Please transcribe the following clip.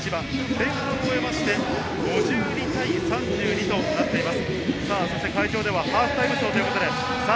前半を終えまして、５２対３２となっています。